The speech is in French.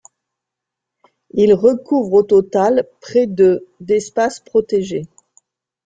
Il recouvre au total près de d'espaces protégés.